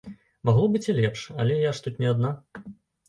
Магло быць і лепш, але я ж тут не адна.